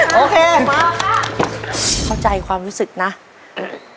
เข้าใจความรู้สึกนะครับ